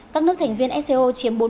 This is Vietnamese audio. các nước thành viên sco chiếm bốn mươi đồng